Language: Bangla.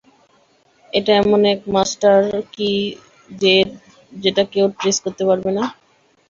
এটা এমন এক মাস্টার কি যেটা কেউ ট্রেস করতে পারবে না।